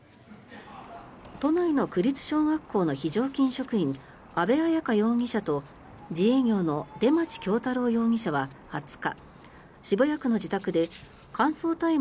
都内の区立小学校の非常勤職員安部綾香容疑者と自営業の出町恭太郎容疑者は２０日渋谷区の自宅で乾燥大麻